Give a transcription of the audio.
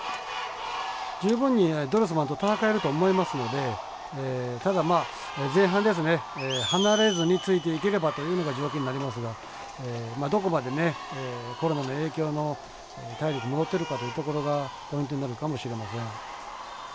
十分にドルスマンと戦えると思いますのでただまあ前半離れずについていければというのが条件になりますがどこまでねコロナの影響の体力戻ってるかというところがポイントになるかもしれません。